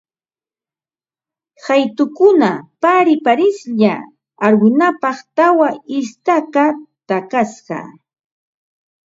Qaytukuna parisparislla arwinapaq tawa istaka takasqa